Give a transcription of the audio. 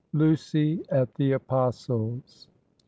LUCY AT THE APOSTLES.